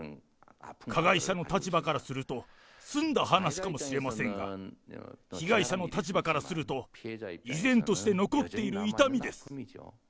加害者の立場からすると済んだ話かもしれませんが、被害者の立場からすると、依然として残っている痛みです。